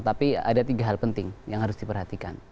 tapi ada tiga hal penting yang harus diperhatikan